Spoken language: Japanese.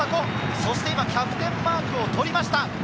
そしてキャプテンマークを取りました。